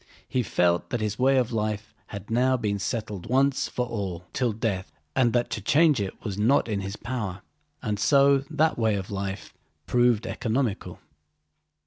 He felt that his way of life had now been settled once for all till death and that to change it was not in his power, and so that way of life proved economical.